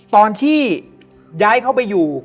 ตอนที่ย้ายเข้าไปอยู่